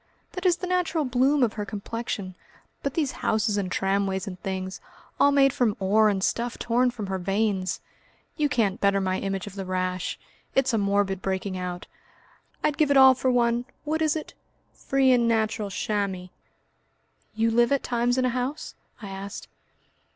That is the natural bloom of her complexion. But these houses and tramways and things, all made from ore and stuff torn from her veins ! You can't better my image of the rash. It's a morbid breaking out! I'd give it all for one what is it? free and natural chamois." "You live at times in a house?" I asked.